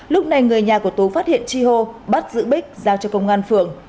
lúc này người nhà của tú phát hiện chi hô bắt giữ bích giao cho công an phường